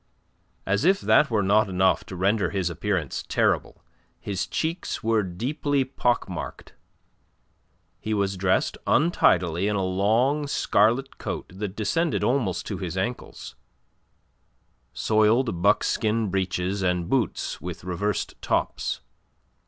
As if that were not enough to render his appearance terrible, his cheeks were deeply pock marked. He was dressed untidily in a long scarlet coat that descended almost to his ankles, soiled buckskin breeches and boots with reversed tops.